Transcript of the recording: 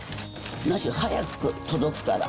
何しろ早く届くから。